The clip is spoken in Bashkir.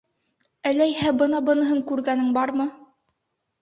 Әләйһә, бына быныһын күргәнең бармы?..